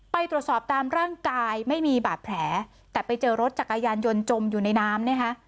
ไปตรวจสอบตามร่างกายไม่มีบาดแผลแต่ไปเจอรถจักรยานยนต์จมอยู่ในน้ำนะคะ